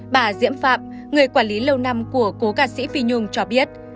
bà diễm phạm người quản lý lâu năm của cố ca sĩ phi nhung cho biết